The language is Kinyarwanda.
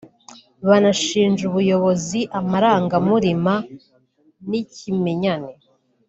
banashinja ubuyobozi amarangamurima n’ikimenyane